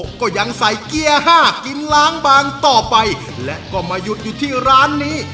แล้วก็ยังใส่เกียร์ห้ากินล้างบางต่อไปและก็มาหยุดอยู่ที่ร้านนี้